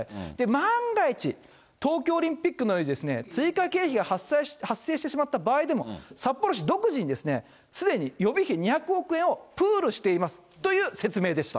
万が一、東京オリンピックのように追加経費が発生してしまった場合でも、札幌市独自に、すでに予備費２００億円をプールしていますという説明でした。